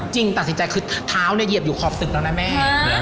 ตัดสินใจคือเท้าเนี่ยเหยียบอยู่ขอบสึกแล้วนะแม่